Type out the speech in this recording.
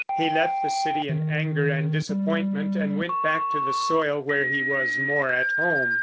He left the city in anger and disappointment, and went back to the soil where he was more at home.